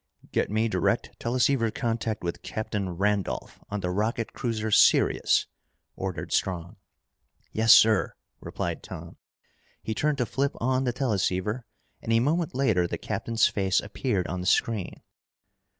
"Get me direct teleceiver contact with Captain Randolph on the rocket cruiser Sirius," ordered Strong. "Yes, sir," replied Tom. He turned to flip on the teleceiver, and a moment later the captain's face appeared on the screen.